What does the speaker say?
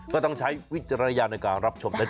ก็ต้องใช้วิจารณญาณในการรับชมนะจ